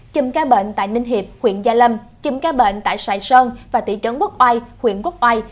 chùm ca bệnh tại ninh hiệp huyện gia lâm kìm ca bệnh tại sài sơn và thị trấn quốc oai huyện quốc oai